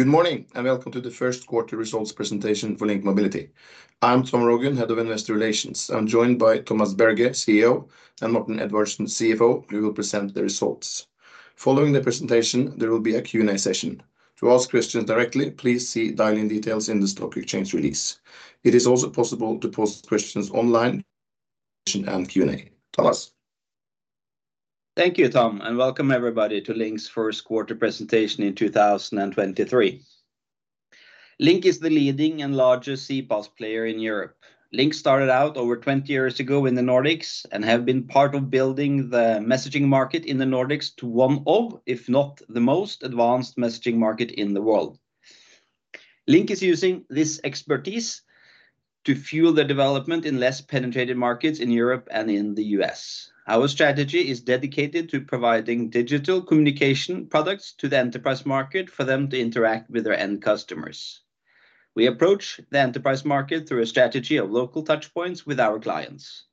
Good morning, and welcome to the first quarter results presentation for LINK Mobility. I'm Tom Rogn, head of Investor Relations. I'm joined by Thomas Berge, CEO, and Morten Edvardsen, CFO, who will present the results. Following the presentation, there will be a Q&A session. To ask questions directly, please see dial-in details in the stock exchange release. It is also possible to post questions online, and Q&A. Thomas. Thank you, Tom, welcome everybody to LINK's first quarter presentation in 2023. LINK is the leading and largest CPaaS player in Europe. LINK started out over 20 years ago in the Nordics and have been part of building the messaging market in the Nordics to one of, if not the most, advanced messaging market in the world. LINK is using this expertise to fuel the development in less penetrated markets in Europe and in the U.S. Our strategy is dedicated to providing digital communication products to the enterprise market for them to interact with their end customers. We approach the enterprise market through a strategy of local touch points with our clients.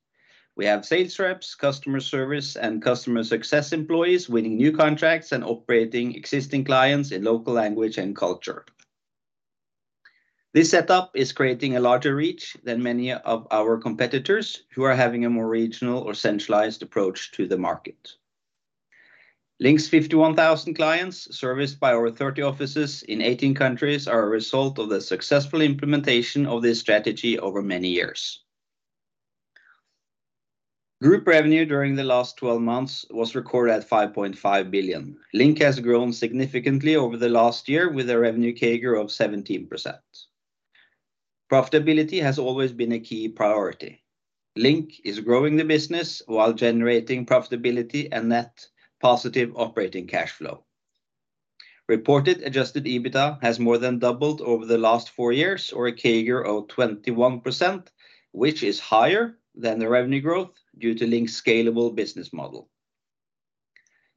We have sales reps, customer service, and customer success employees winning new contracts and operating existing clients in local language and culture. This setup is creating a larger reach than many of our competitors who are having a more regional or centralized approach to the market. LINK's 51,000 clients, serviced by over 30 offices in 18 countries, are a result of the successful implementation of this strategy over many years. Group revenue during the last 12 months was recorded at 5.5 billion. LINK has grown significantly over the last year with a revenue CAGR of 17%. Profitability has always been a key priority. LINK is growing the business while generating profitability and net positive operating cash flow. Reported adjusted EBITDA has more than doubled over the last four years or a CAGR of 21%, which is higher than the revenue growth due to LINK's scalable business model.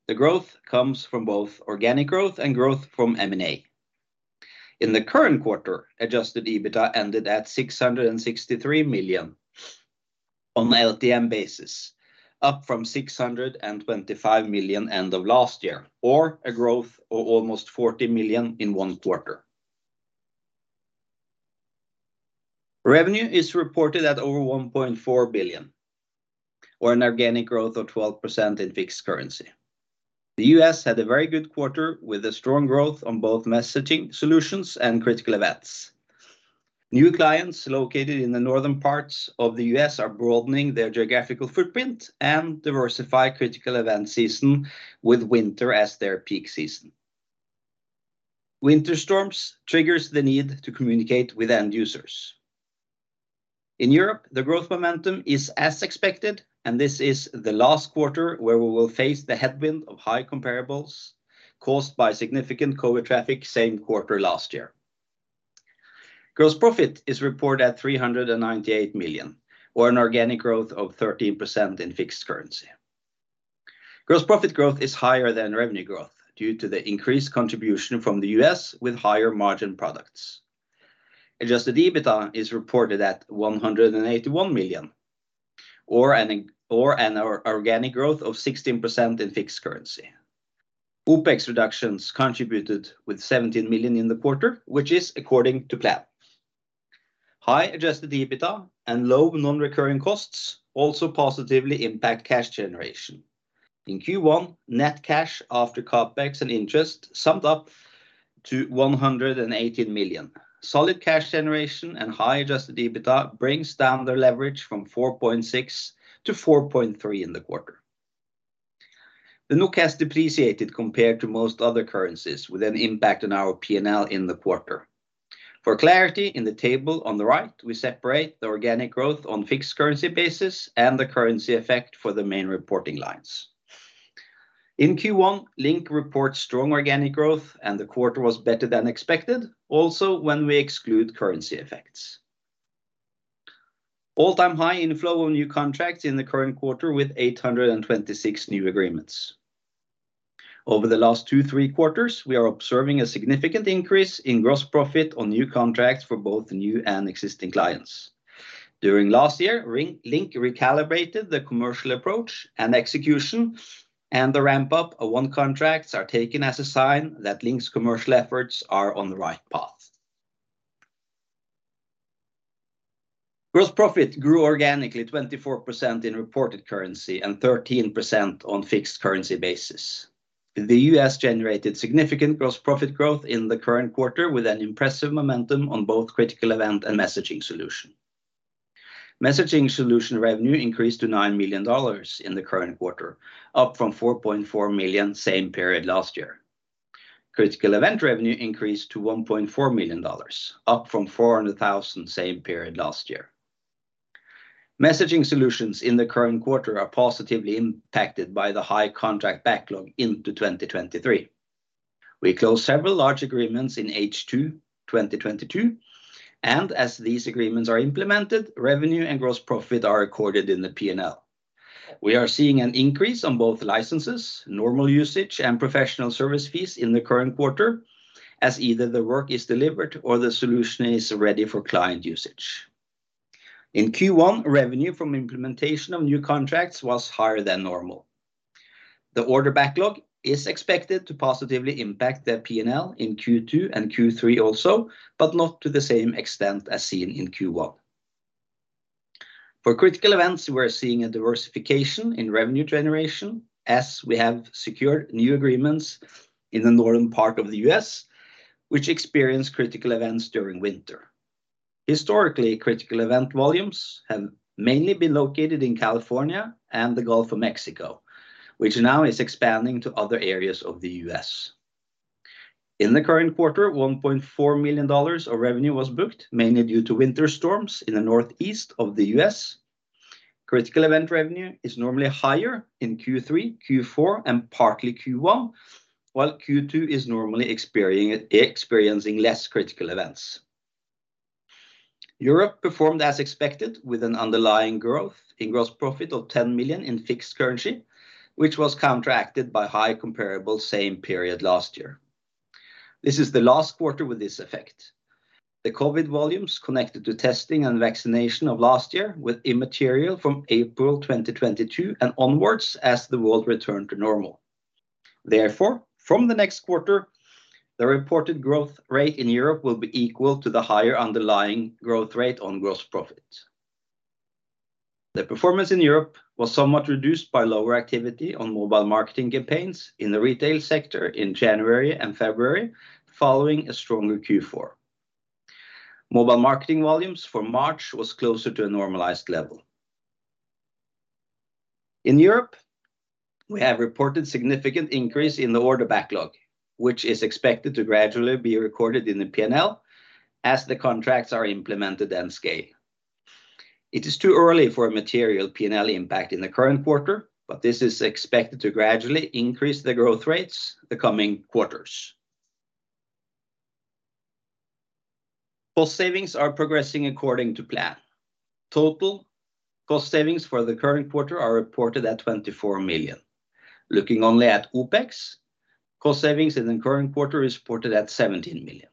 The growth comes from both organic growth and growth from M&A. In the current quarter, adjusted EBITDA ended at 663 million on an LTM basis, up from 625 million end of last year, or a growth of almost 40 million in one quarter. Revenue is reported at over 1.4 billion or an organic growth of 12% in fixed currency. The US had a very good quarter with a strong growth on both messaging solutions and critical events. New clients located in the northern parts of the US are broadening their geographical footprint and diversify critical event season with winter as their peak season. Winter storms triggers the need to communicate with end users. In Europe, the growth momentum is as expected, and this is the last quarter where we will face the headwind of high comparables caused by significant COVID traffic same quarter last year. Gross profit is reported at 398 million or an organic growth of 13% in fixed currency. Gross profit growth is higher than revenue growth due to the increased contribution from the US with higher margin products. Adjusted EBITDA is reported at 181 million or an organic growth of 16% in fixed currency. OpEx reductions contributed with 17 million in the quarter, which is according to plan. High-adjusted EBITDA and low non-recurring costs also positively impact cash generation. In Q1, net cash after CapEx and interest summed up to 118 million. Solid cash generation and high-adjusted EBITDA brings down the leverage from 4.6 to 4.3 in the quarter. The NOK has depreciated compared to most other currencies with an impact on our P&L in the quarter. For clarity, in the table on the right, we separate the organic growth on fixed currency basis and the currency effect for the main reporting lines. In Q1, LINK reports strong organic growth. The quarter was better than expected, also when we exclude currency effects. All-time high inflow of new contracts in the current quarter with 826 new agreements. Over the last two, three quarters, we are observing a significant increase in gross profit on new contracts for both new and existing clients. During last year, LINK recalibrated the commercial approach and execution. The ramp-up of one contracts are taken as a sign that LINK's commercial efforts are on the right path. Gross profit grew organically 24% in reported currency and 13% on fixed currency basis. The US generated significant gross profit growth in the current quarter with an impressive momentum on both Critical Event and Messaging Solution. Messaging Solution revenue increased to $9 million in the current quarter, up from $4.4 million same period last year. Critical Event revenue increased to $1.4 million, up from $400,000 same period last year. Messaging Solutions in the current quarter are positively impacted by the high contract backlog into 2023. We closed several large agreements in H2 2022, and as these agreements are implemented, revenue and gross profit are recorded in the P&L. We are seeing an increase on both licenses, normal usage, and professional service fees in the current quarter as either the work is delivered or the solution is ready for client usage. In Q1, revenue from implementation of new contracts was higher than normal. The order backlog is expected to positively impact their P&L in Q2 and Q3 also. Not to the same extent as seen in Q1. For critical events, we're seeing a diversification in revenue generation as we have secured new agreements in the northern part of the U.S., which experience critical events during winter. Historically, critical event volumes have mainly been located in California and the Gulf of Mexico, which now is expanding to other areas of the U.S. In the current quarter, $1.4 million of revenue was booked, mainly due to winter storms in the northeast of the U.S. Critical event revenue is normally higher in Q3, Q4, and partly Q1, while Q2 is normally experiencing less critical events. Europe performed as expected with an underlying growth in gross profit of 10 million in fixed currency, which was counteracted by high comparable same period last year. This is the last quarter with this effect. The COVID volumes connected to testing and vaccination of last year were immaterial from April 2022 and onwards as the world returned to normal. Therefore, from the next quarter, the reported growth rate in Europe will be equal to the higher underlying growth rate on gross profit. The performance in Europe was somewhat reduced by lower activity on mobile marketing campaigns in the retail sector in January and February, following a stronger Q4. Mobile marketing volumes for March was closer to a normalized level. In Europe, we have reported significant increase in the order backlog, which is expected to gradually be recorded in the P&L as the contracts are implemented and scale. It is too early for a material P&L impact in the current quarter, but this is expected to gradually increase the growth rates the coming quarters. Cost savings are progressing according to plan. Total cost savings for the current quarter are reported at 24 million. Looking only at OpEx, cost savings in the current quarter is reported at 17 million.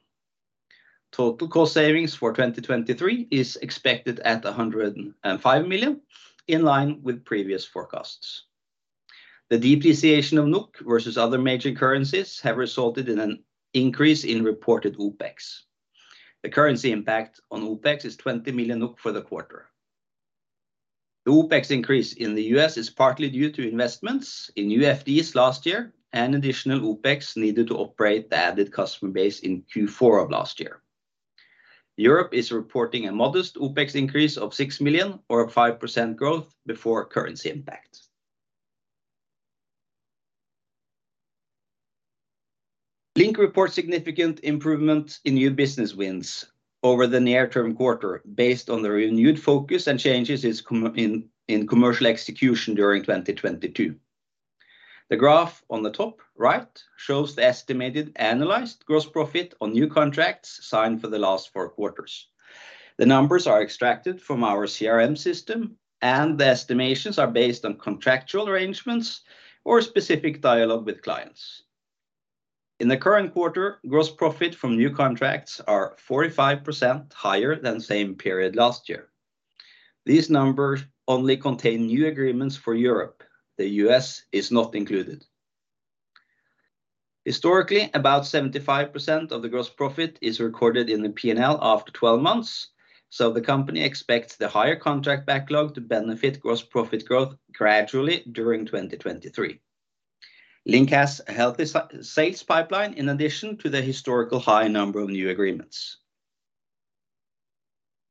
Total cost savings for 2023 is expected at 105 million, in line with previous forecasts. The depreciation of NOK versus other major currencies have resulted in an increase in reported OpEx. The currency impact on OpEx is 20 million for the quarter. The OpEx increase in the US is partly due to investments in UFDs last year and additional OpEx needed to operate the added customer base in Q4 of last year. Europe is reporting a modest OpEx increase of 6 million or a 5% growth before currency impact. LINK reports significant improvement in new business wins over the near term quarter based on the renewed focus and changes in commercial execution during 2022. The graph on the top right shows the estimated annualized gross profit on new contracts signed for the last four quarters. The numbers are extracted from our CRM system. The estimations are based on contractual arrangements or specific dialogue with clients. In the current quarter, gross profit from new contracts are 45% higher than same period last year. These numbers only contain new agreements for Europe. The U.S. is not included. Historically, about 75% of the gross profit is recorded in the P&L after 12 months. The company expects the higher contract backlog to benefit gross profit growth gradually during 2023. LINK has a healthy sales pipeline in addition to the historical high number of new agreements.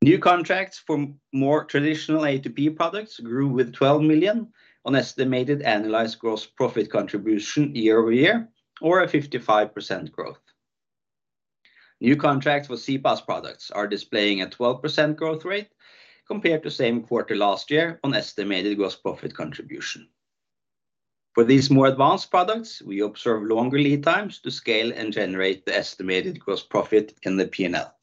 New contracts from more traditional A2P products grew with 12 million on estimated annualized gross profit contribution year-over-year or a 55% growth. New contracts for CPaaS products are displaying a 12% growth rate compared to same quarter last year on estimated gross profit contribution. For these more advanced products, we observe longer lead times to scale and generate the estimated gross profit in the P&L.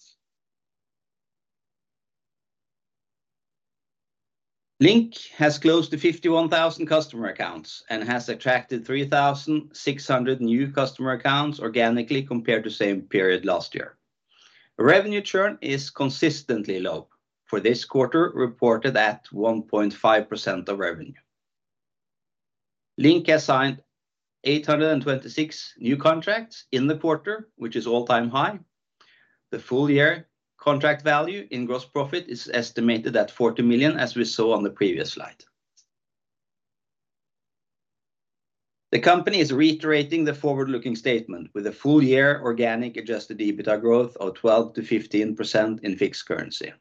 LINK has closed to 51,000 customer accounts and has attracted 3,600 new customer accounts organically compared to same period last year. Revenue churn is consistently low, for this quarter reported at 1.5% of revenue. LINK has signed 826 new contracts in the quarter, which is all-time high. The full year contract value in gross profit is estimated at 40 million, as we saw on the previous slide. The company is reiterating the forward-looking statement with a full year organic adjusted EBITDA growth of 12%-15% in fixed currency.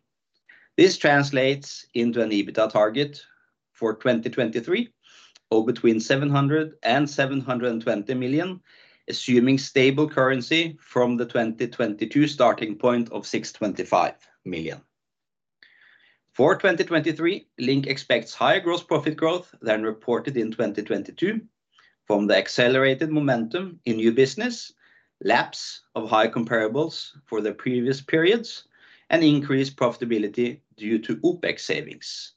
This translates into an EBITDA target for 2023 or between 700 million-720 million, assuming stable currency from the 2022 starting point of 625 million. For 2023, LINK expects higher gross profit growth than reported in 2022 from the accelerated momentum in new business, lapse of high comparables for the previous periods, and increased profitability due to OpEx savings.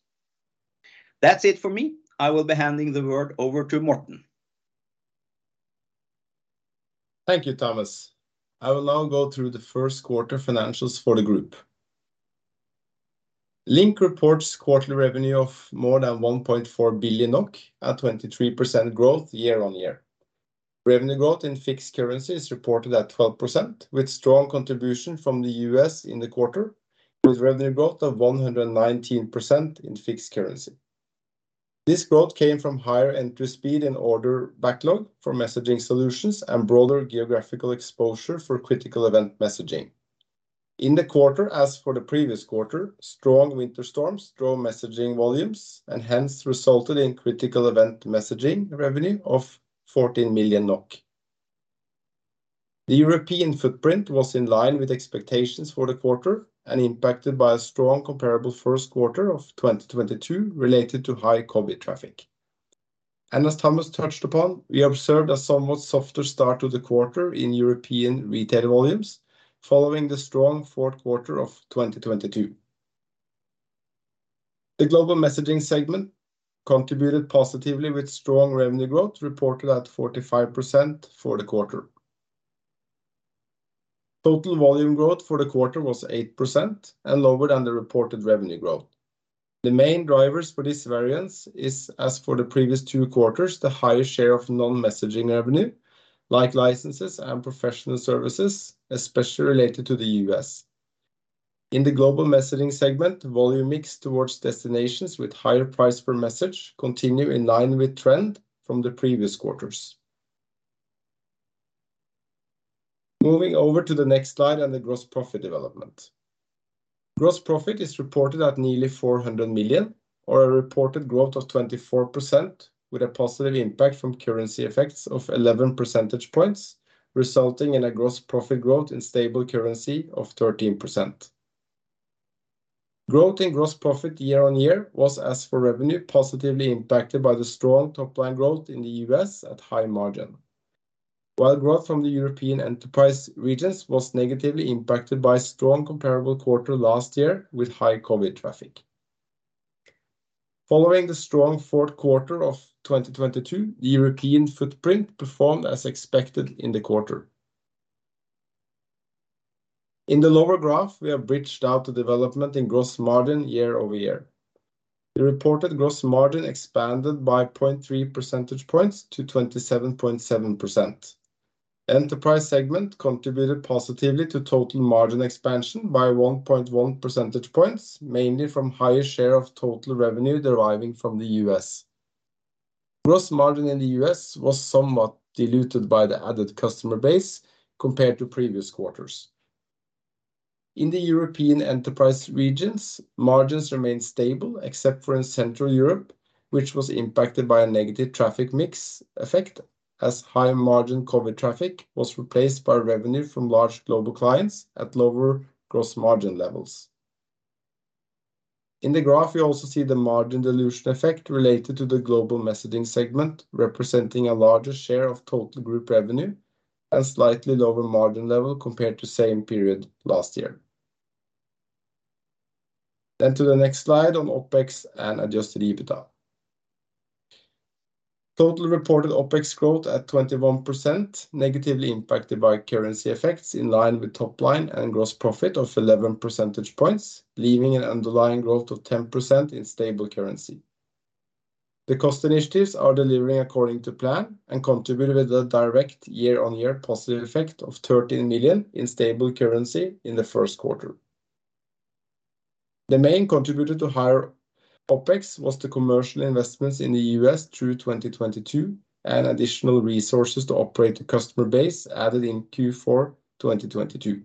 That's it for me. I will be handing the word over to Morten. Thank you, Thomas. I will now go through the first quarter financials for the group. LINK reports quarterly revenue of more than 1.4 billion NOK at 23% growth year-on-year. Revenue growth in fixed currency is reported at 12% with strong contribution from the U.S. in the quarter, with revenue growth of 119% in fixed currency. This growth came from higher entry speed and order backlog for messaging solutions and broader geographical exposure for critical event messaging. In the quarter, as for the previous quarter, strong winter storms drove messaging volumes and hence resulted in critical event messaging revenue of 14 million NOK. The European footprint was in line with expectations for the quarter and impacted by a strong comparable first quarter of 2022 related to high COVID traffic. As Thomas touched upon, we observed a somewhat softer start to the quarter in European retail volumes following the strong fourth quarter of 2022. The Global Messaging segment contributed positively with strong revenue growth reported at 45% for the quarter. Total volume growth for the quarter was 8% and lower than the reported revenue growth. The main drivers for this variance is, as for the previous two quarters, the higher share of non-messaging revenue, like licenses and professional services, especially related to the U.S. In the Global Messaging segment, volume mix towards destinations with higher price per message continue in line with trend from the previous quarters. Moving over to the next slide and the gross profit development. Gross profit is reported at nearly 400 million or a reported growth of 24% with a positive impact from currency effects of 11 percentage points, resulting in a gross profit growth in stable currency of 13%. Growth in gross profit year-on-year was, as for revenue, positively impacted by the strong top-line growth in the US at high margin. While growth from the European enterprise regions was negatively impacted by strong comparable quarter last year with high COVID traffic. Following the strong Q4 2022, the European footprint performed as expected in the quarter. In the lower graph, we have bridged out the development in gross margin year-over-year. The reported gross margin expanded by 0.3 percentage points to 27.7%. Enterprise segment contributed positively to total margin expansion by 1.1 percentage points, mainly from higher share of total revenue deriving from the US. Gross margin in the US was somewhat diluted by the added customer base compared to previous quarters. In the European enterprise regions, margins remained stable except for in Central Europe, which was impacted by a negative traffic mix effect, as high-margin COVID traffic was replaced by revenue from large global clients at lower gross margin levels. In the graph, we also see the margin dilution effect related to the Global Messaging segment, representing a larger share of total group revenue and slightly lower margin level compared to same period last year. To the next slide on OpEx and adjusted EBITDA. Total reported OpEx growth at 21%, negatively impacted by currency effects in line with top line and gross profit of 11 percentage points, leaving an underlying growth of 10% in stable currency. The cost initiatives are delivering according to plan and contributed with a direct year-on-year positive effect of 13 million in stable currency in the first quarter. The main contributor to higher OpEx was the commercial investments in the US through 2022 and additional resources to operate the customer base added in Q4 2022.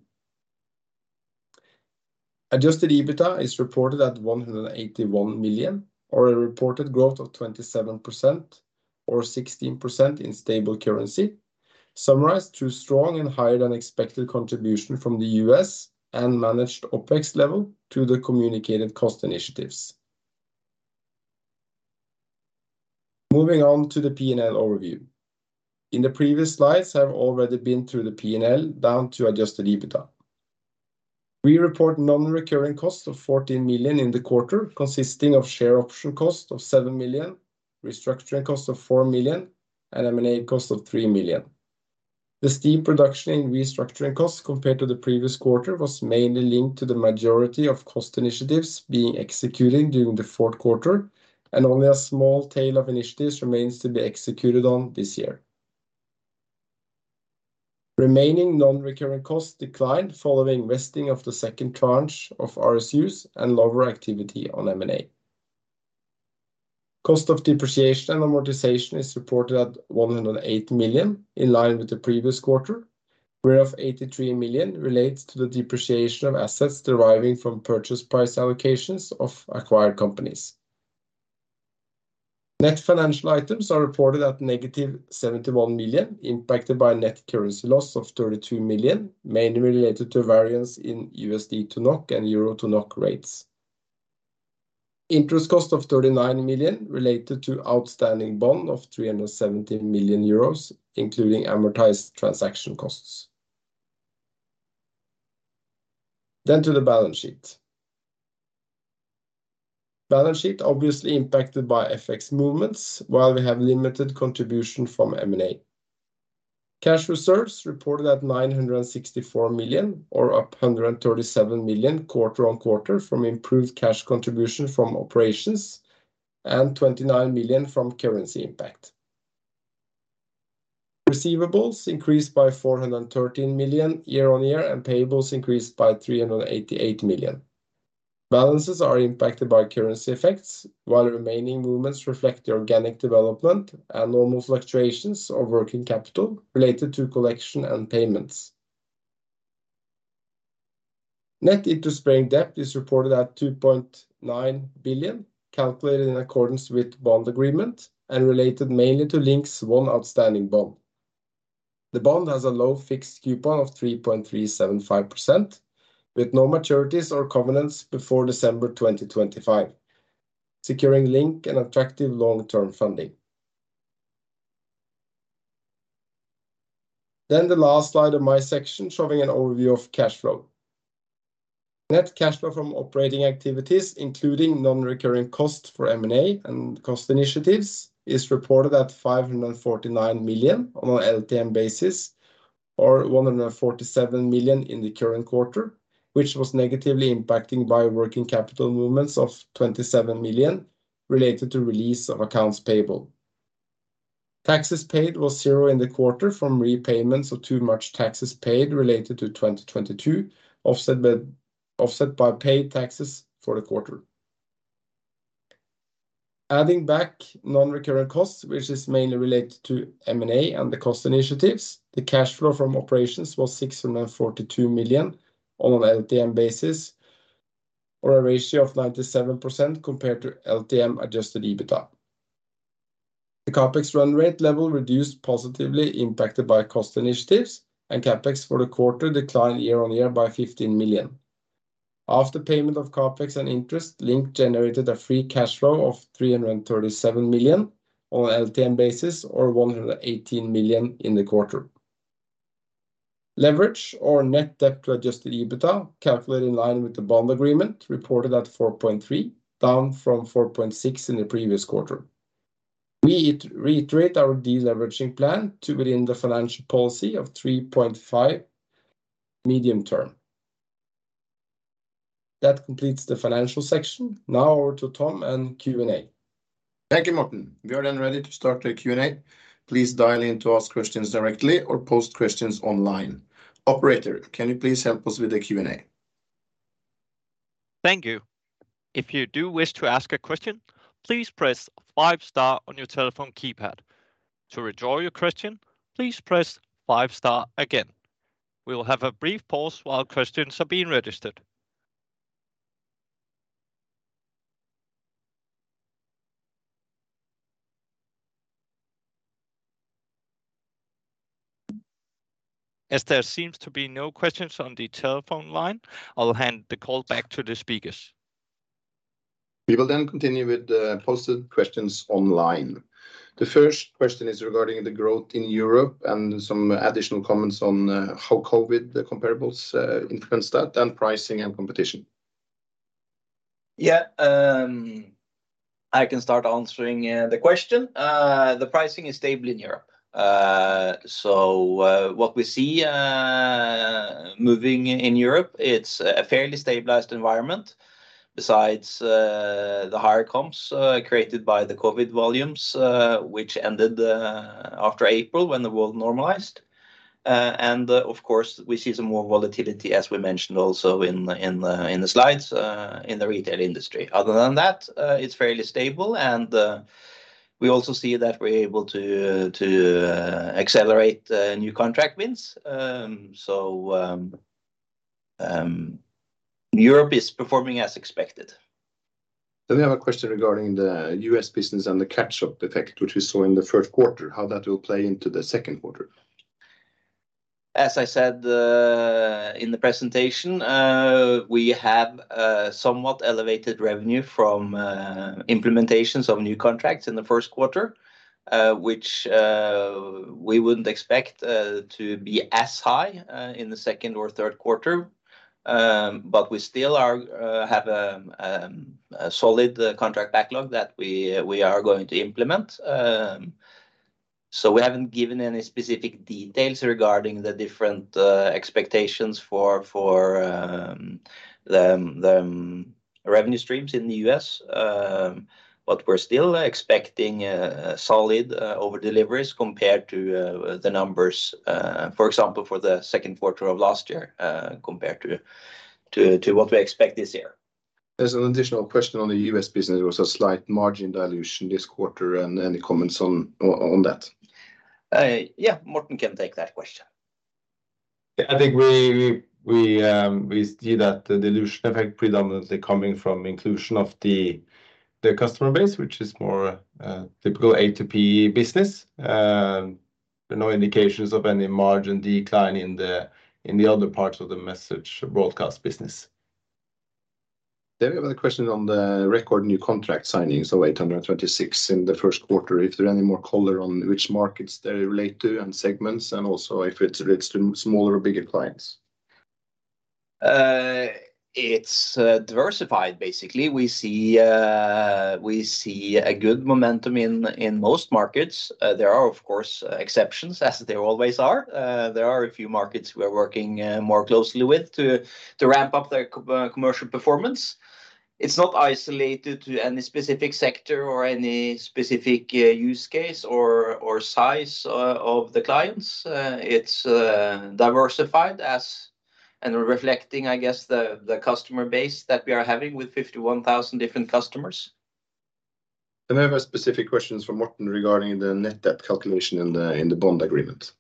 Adjusted EBITDA is reported at 181 million or a reported growth of 27% or 16% in stable currency, summarized through strong and higher than expected contribution from the US and managed OpEx level to the communicated cost initiatives. Moving on to the P&L overview. In the previous slides, I have already been through the P&L down to adjusted EBITDA. We report non-recurring costs of 14 million in the quarter, consisting of share option cost of 7 million, restructuring cost of 4 million, and M&A cost of 3 million. The steep reduction in restructuring costs compared to the previous quarter was mainly linked to the majority of cost initiatives being executed during the fourth quarter. Only a small tail of initiatives remains to be executed on this year. Remaining non-recurring costs declined following vesting of the second tranche of RSUs and lower activity on M&A. Cost of depreciation and amortization is reported at 108 million, in line with the previous quarter, whereof 83 million relates to the depreciation of assets deriving from purchase price allocations of acquired companies. Net financial items are reported at negative 71 million, impacted by net currency loss of 32 million, mainly related to variance in USD to NOK and EUR to NOK rates. Interest cost of 39 million related to outstanding bond of 370 million euros, including amortized transaction costs. To the balance sheet. Balance sheet obviously impacted by FX movements while we have limited contribution from M&A. Cash reserves reported at 964 million or 137 million quarter-on-quarter from improved cash contribution from operations and 29 million from currency impact. Receivables increased by 413 million year-on-year, payables increased by 388 million. Balances are impacted by currency effects, while remaining movements reflect the organic development and normal fluctuations of working capital related to collection and payments. Net interest bearing debt is reported at 2.9 billion, calculated in accordance with bond agreement and related mainly to LINK's one outstanding bond. The bond has a low fixed coupon of 3.375% with no maturities or covenants before December 2025, securing LINK an attractive long-term funding. The last slide of my section, showing an overview of cash flow. Net cash flow from operating activities, including non-recurring costs for M&A and cost initiatives, is reported at 549 million on an LTM basis or 147 million in the current quarter. Which was negatively impacting by working capital movements of 27 million related to release of accounts payable. Taxes paid was zero in the quarter from repayments of too much taxes paid related to 2022, offset by paid taxes for the quarter. Adding back non-recurrent costs, which is mainly related to M&A and the cost initiatives, the cash flow from operations was 642 million on an LTM basis or a ratio of 97% compared to LTM-adjusted EBITDA. The CapEx run rate level reduced positively impacted by cost initiatives, and CapEx for the quarter declined year-on-year by 15 million. After payment of CapEx and interest, LINK generated a free cash flow of 337 million on an LTM basis, or 118 million in the quarter. Leverage or net debt to adjusted EBITDA, calculated in line with the bond agreement, reported at 4.3, down from 4.6 in the previous quarter. We reiterate our deleveraging plan to within the financial policy of 3.5 medium term. That completes the financial section. Over to Tom and Q&A. Thank you, Morten. We are then ready to start the Q&A. Please dial in to ask questions directly or post questions online. Operator, can you please help us with the Q&A? Thank you. If you do wish to ask a question, please press five star on your telephone keypad. To withdraw your question, please press five star again. We will have a brief pause while questions are being registered. As there seems to be no questions on the telephone line, I will hand the call back to the speakers. We will continue with the posted questions online. The first question is regarding the growth in Europe and some additional comments on how COVID comparables influence that, and pricing and competition. I can start answering the question. The pricing is stable in Europe. What we see moving in Europe, it's a fairly stabilized environment besides the higher comps created by the COVID volumes, which ended after April when the world normalized. Of course, we see some more volatility, as we mentioned also in the slides, in the retail industry. Other than that, it's fairly stable, and we also see that we're able to accelerate new contract wins. Europe is performing as expected. We have a question regarding the US business and the catch-up effect, which we saw in the first quarter, how that will play into the second quarter. As I said, in the presentation, we have somewhat elevated revenue from implementations of new contracts in the first quarter. Which we wouldn't expect to be as high in the second or third quarter. We still have a solid contract backlog that we are going to implement. We haven't given any specific details regarding the different expectations for the revenue streams in the U.S. We're still expecting solid over-deliveries compared to the numbers, for example, for the second quarter of last year, compared to what we expect this year. There's an additional question on the U.S. business. There was a slight margin dilution this quarter. Any comments on that? yeah. Morten can take that question. I think we see that the dilution effect predominantly coming from inclusion of the customer base, which is more typical A2P business. There are no indications of any margin decline in the other parts of the Message Broadcast business. We have a question on the record new contract signings of 826 in the first quarter. If there are any more color on which markets they relate to and segments, and also if it relates to smaller or bigger clients? It's diversified, basically. We see a good momentum in most markets. There are, of course, exceptions as there always are. There are a few markets we are working more closely with to ramp up their commercial performance. It's not isolated to any specific sector or any specific use case or size of the clients. It's diversified as and reflecting, I guess the customer base that we are having with 51,000 different customers. We have a specific question from Martin regarding the net debt calculation in the bond agreement.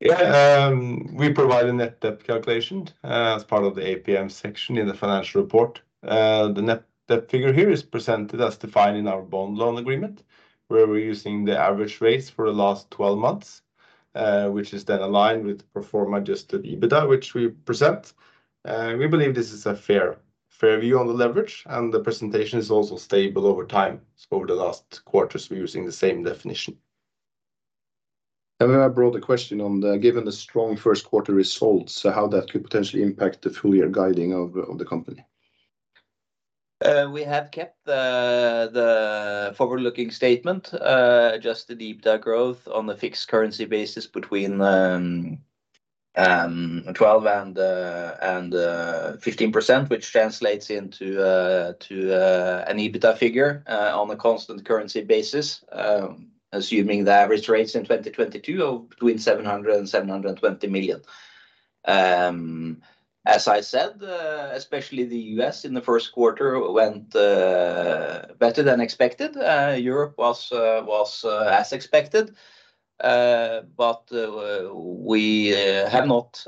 We provide a net debt calculation as part of the APM section in the financial report. The net debt figure here is presented as defined in our bond loan agreement, where we're using the average rates for the last 12 months, which is then aligned with the pro forma adjusted EBITDA, which we present. We believe this is a fair view on the leverage, and the presentation is also stable over time. Over the last quarters, we're using the same definition. We have a broader question given the strong first quarter results, how that could potentially impact the full year guiding of the company. We have kept the forward-looking statement just the EBITDA growth on the fixed currency basis between 12% and 15%, which translates into an EBITDA figure on a constant currency basis, assuming the average rates in 2022 of between 700 million and 720 million. As I said, especially the US in the first quarter went better than expected. Europe was as expected, but we have not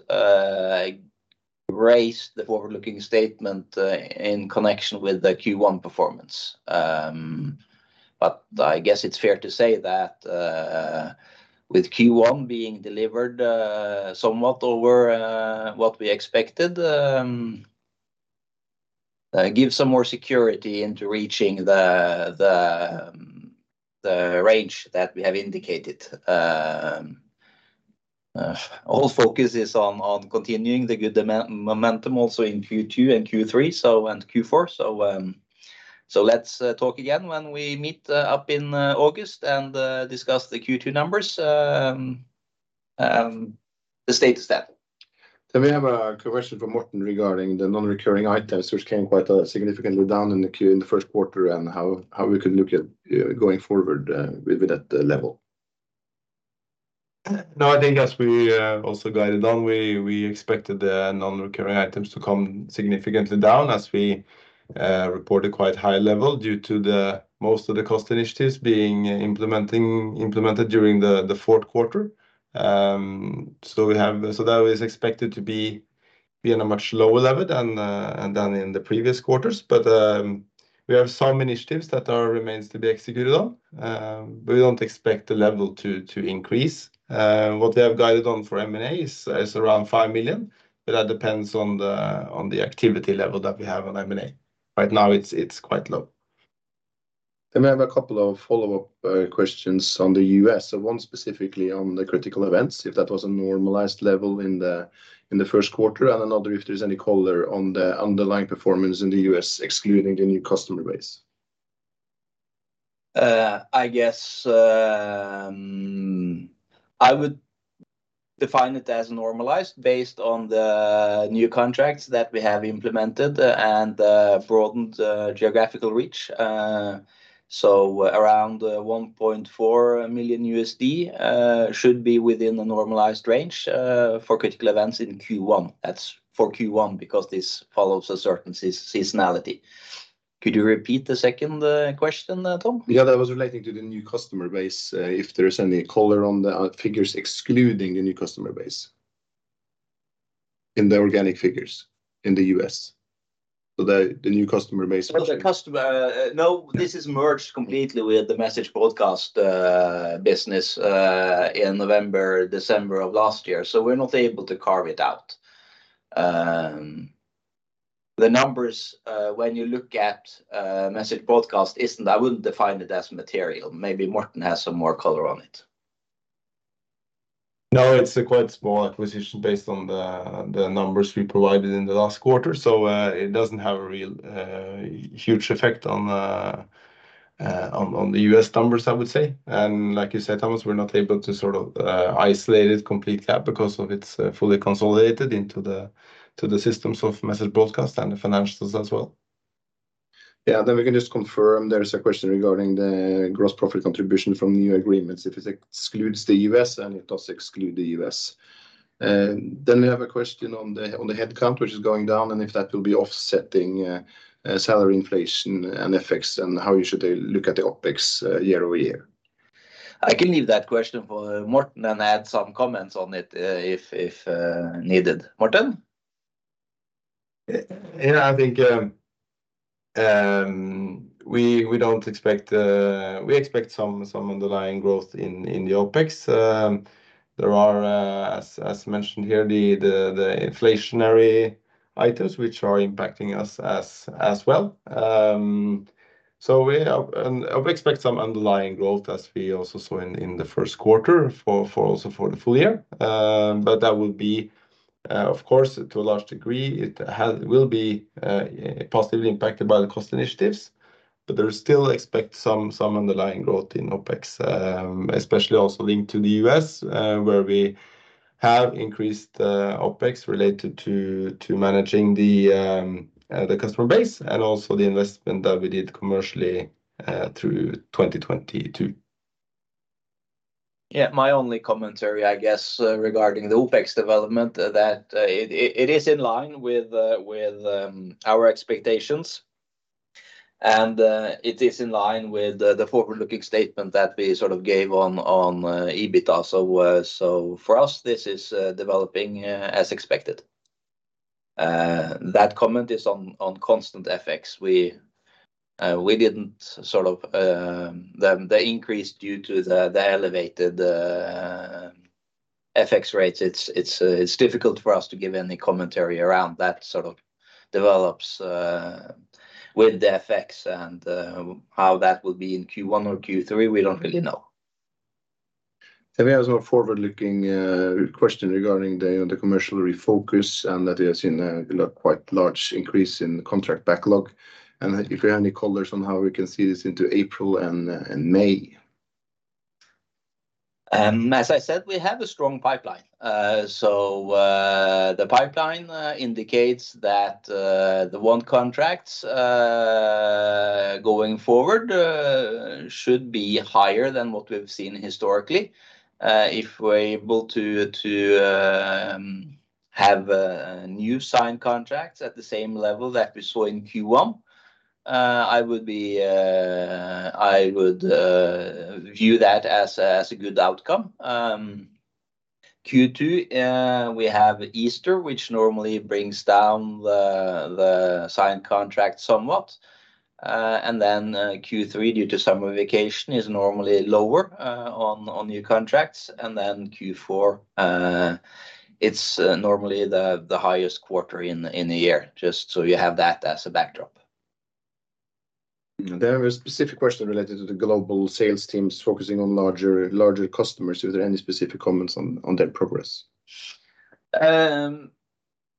raised the forward-looking statement in connection with the Q1 performance. But I guess it's fair to say that with Q1 being delivered somewhat over what we expected, gives some more security into reaching the range that we have indicated. All focus is on continuing the good momentum also in Q2 and Q3 and Q4. Let's talk again when we meet up in August and discuss the Q2 numbers, the status then. We have a question from Martin regarding the non-recurring items which came quite significantly down in the first quarter and how we could look at going forward with that level. No, I think as we also guided on, we expected the non-recurring items to come significantly down as we reported quite high level due to most of the cost initiatives being implemented during the fourth quarter. That was expected to be in a much lower level than in the previous quarters. We have some initiatives that remains to be executed on, but we don't expect the level to increase. What we have guided on for M&A is around 5 million, but that depends on the activity level that we have on M&A. Right now it's quite low. We have a couple of follow-up questions on the U.S., so one specifically on the critical events, if that was a normalized level in the first quarter, and another, if there is any color on the underlying performance in the U.S. excluding the new customer base. I guess, I would define it as normalized based on the new contracts that we have implemented and broadened geographical reach. Around $1.4 million should be within the normalized range for critical events in Q1. That's for Q1, because this follows a certain seasonality. Could you repeat the second question, Tom? Yeah, that was relating to the new customer base. If there is any color on the figures excluding the new customer base. In the organic figures in the U.S. Well, the customer... No, this is merged completely with the Message Broadcast business in November, December of last year. We're not able to carve it out. The numbers, when you look at Message Broadcast, I wouldn't define it as material. Maybe Morten has some more color on it. It's a quite small acquisition based on the numbers we provided in the last quarter. It doesn't have a real huge effect on the U.S. numbers, I would say. Like you said, Thomas, we're not able to sort of isolate it completely because of it's fully consolidated into the systems of Message Broadcast and the financials as well. Yeah. We can just confirm there is a question regarding the gross profit contribution from the new agreements, if it excludes the U.S., and it does exclude the U.S. We have a question on the headcount, which is going down, and if that will be offsetting, salary inflation and effects, and how you should look at the OpEx year-over-year. I can leave that question for Morten and add some comments on it, if, needed. Morten? Yeah, I think, we expect some underlying growth in OpEx. There are, as mentioned here, the inflationary items which are impacting us as well. So we expect some underlying growth as we also saw in the first quarter for also for the full year. But that will be, of course, to a large degree, will be positively impacted by the cost initiatives, but there is still expect some underlying growth in OpEx, especially also linked to the US, where we have increased OpEx related to managing the customer base and also the investment that we did commercially through 2022. Yeah. My only commentary, I guess, regarding the OpEx development that it is in line with our expectations, and it is in line with the forward-looking statement that we sort of gave on EBITDA. For us, this is developing as expected. That comment is on constant FX. We didn't sort of. The increase due to the elevated FX rates. It's difficult for us to give any commentary around that sort of develops with the FX and how that will be in Q1 or Q3, we don't really know. We have some forward-looking question regarding the, on the commercial refocus, and that is in a quite large increase in contract backlog. If you have any colors on how we can see this into April and May? As I said, we have a strong pipeline. The pipeline indicates that the won contracts going forward should be higher than what we've seen historically. If we're able to have new signed contracts at the same level that we saw in Q1, I would view that as a good outcome. Q2, we have Easter, which normally brings down the signed contract somewhat. Then Q3, due to summer vacation, is normally lower on new contracts. Then Q4, it's normally the highest quarter in the year. Just so you have that as a backdrop. There is a specific question related to the global sales teams focusing on larger customers. Is there any specific comments on their progress?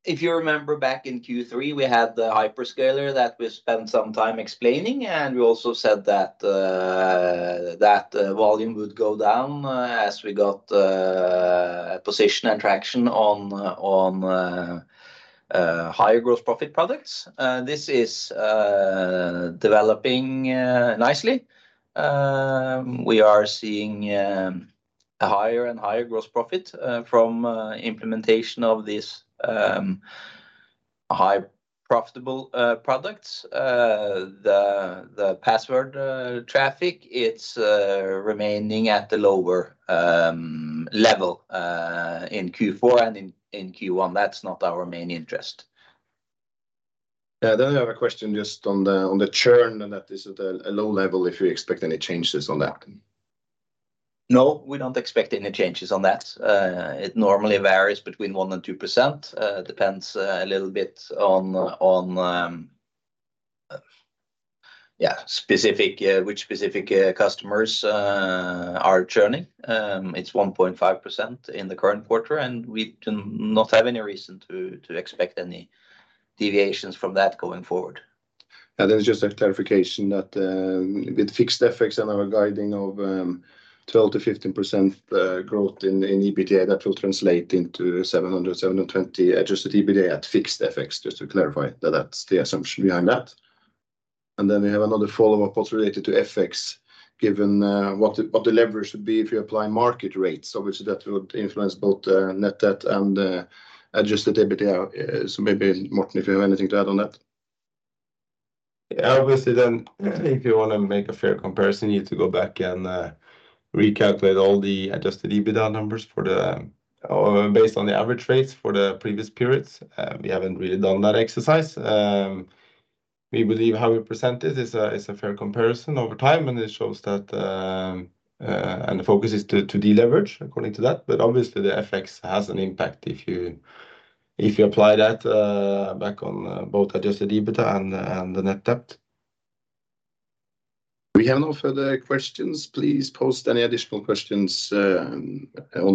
If you remember back in Q3, we had the hyperscaler that we spent some time explaining, and we also said that volume would go down as we got position and traction on higher gross profit products. This is developing nicely. We are seeing a higher and higher gross profit from implementation of this high profitable products. The password traffic, it's remaining at the lower level in Q4 and in Q1. That's not our main interest. Yeah. I have a question just on the churn, and that is at a low level, if you expect any changes on that. No, we don't expect any changes on that. It normally varies between 1% and 2%. It depends a little bit on specific which specific customers are churning. It's 1.5% in the current quarter. We do not have any reason to expect any deviations from that going forward. Yeah. There was just a clarification that with fixed FX and our guiding of 12%-15% growth in EBITDA, that will translate into 700-720 adjusted EBITDA at fixed FX. Just to clarify that that's the assumption behind that. Then we have another follow-up also related to FX, given what the leverage would be if you apply market rates. Obviously, that would influence both net debt and adjusted EBITDA. Maybe, Morten, if you have anything to add on that. Obviously, then if you want to make a fair comparison, you need to go back and recalculate all the adjusted EBITDA numbers based on the average rates for the previous periods. We haven't really done that exercise. We believe how we present it is a fair comparison over time, and it shows that, and the focus is to deleverage according to that. Obviously, the FX has an impact if you, if you apply that back on both adjusted EBITDA and the net debt. We have no further questions. Please post any additional questions on the.